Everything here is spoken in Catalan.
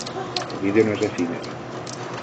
El vídeo no és efímer.